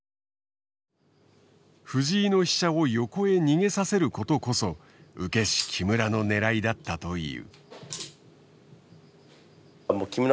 藤井の飛車を横へ逃げさせることこそ受け師木村の狙いだったという。